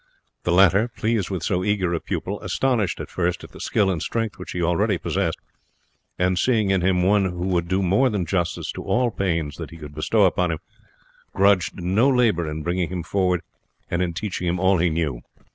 The latter, pleased with so eager a pupil, astonished at first at the skill and strength which he already possessed, and seeing in him one who would do more than justice to all pains that he could bestow upon him, grudged no labour in bringing him forward and in teaching him all he knew.